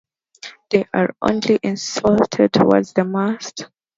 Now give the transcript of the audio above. They are only insulated toward the mast.